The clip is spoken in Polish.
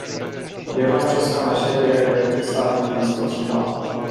"Biorę wszystko na siebie, jakbym sam list otrzymał."